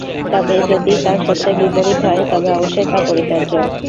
তবে যদি তা সত্যের বিপরীত হয় তবে অবশ্যই তা পরিত্যাজ্য।